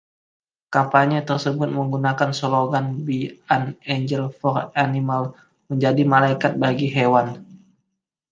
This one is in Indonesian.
Kampanye tersebut menggunakan slogan Be an Angel for Animals (Menjadi Malaikat bagi Hewan).